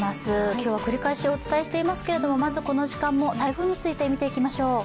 今日は繰り返しお伝えしておりますけれどもまずこの時間も台風について見ていきましょう。